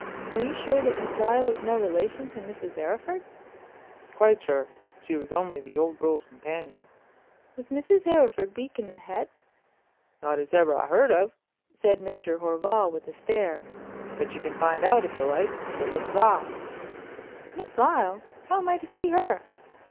"You are sure that Miss Lyle is no relation to Mrs. Arryford?" "Quite sure. She was only the old girl's companion." "Was Mrs. Arryford weak in the head?" "Not as I ever heard of," said Mr. Horval, with a stare, "but you can find out, if you like, from Miss Lyle." "Miss Lyle! How am I to see her?"